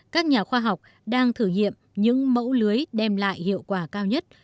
các nhà khoa học đang thử nghiệm những mẫu lưới đem lại hiệu quả cao nhất